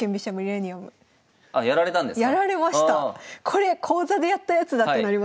これ講座でやったやつだ！ってなりました。